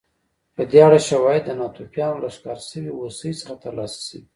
په دې اړه شواهد د ناتوفیانو له ښکار شوې هوسۍ څخه ترلاسه شوي